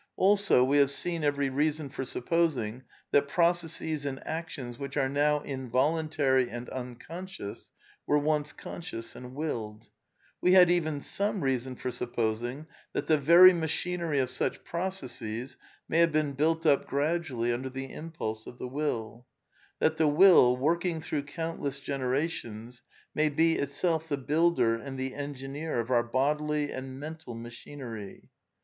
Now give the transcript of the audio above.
Also we have seen every reason for suppos ing that processes and actions which are now involuntary if' and imconscious were once conscious and willed ; we had ( even same reason for supposing that the very machinery of such processes may have been built up gradually under the impulse of the will; that the will, working through countless generations, may be itself the builder and the engineer of our bodily and mental machinery.